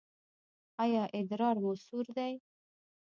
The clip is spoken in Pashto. ایا ادرار مو سور دی؟